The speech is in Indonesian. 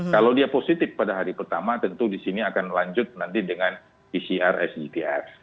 kalau dia positif pada hari pertama tentu di sini akan lanjut nanti dengan pcr sgtf